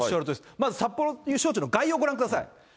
まず札幌招致の概要をご覧ください。